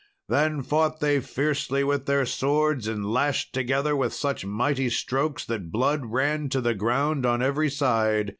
Then fought they fiercely with their swords and lashed together with such mighty strokes that blood ran to the ground on every side.